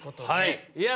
いや。